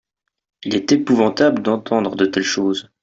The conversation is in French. il est épouvantable d'entendre de telles choses.